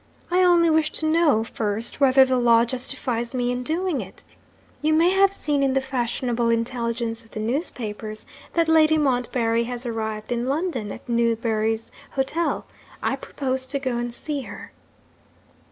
'I only wish to know, first, whether the law justifies me in doing it. You may have seen in the fashionable intelligence of the newspapers, that Lady Montbarry has arrived in London, at Newbury's Hotel. I propose to go and see her.'